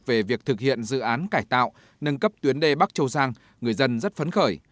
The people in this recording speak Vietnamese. về việc thực hiện dự án cải tạo nâng cấp tuyến đê bắc châu giang người dân rất phấn khởi